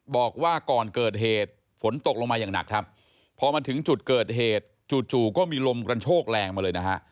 พอมาถึงจุดเกิดเหตุจู่ก็มีลมกันโชคแรงมาเลยนะฮะ